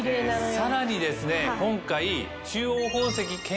さらにですね今回。